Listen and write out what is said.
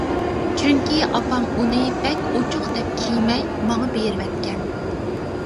چۈنكى ئاپام ئۇنى بەك ئوچۇق دەپ كىيمەي، ماڭا بېرىۋەتكەن.